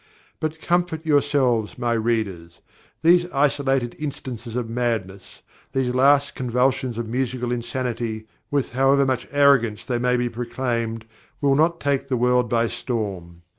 But comfort yourselves, my readers: these isolated instances of madness, these last convulsions of musical insanity, with however much arrogance they may be proclaimed, will not take the world by storm.